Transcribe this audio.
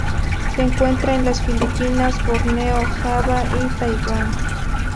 Se encuentra en las Filipinas, Borneo, Java y Taiwán.